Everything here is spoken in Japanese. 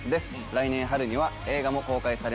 来年春には映画も公開されます